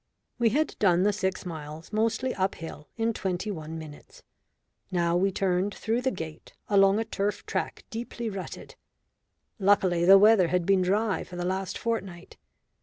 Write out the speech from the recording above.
We had done the six miles, mostly up hill, in twenty one minutes. Now we turned through the gate, along a turf track deeply rutted. Luckily the weather had been dry for the last fortnight.